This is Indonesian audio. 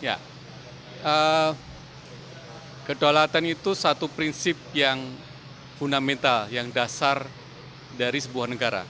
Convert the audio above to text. ya kedaulatan itu satu prinsip yang fundamental yang dasar dari sebuah negara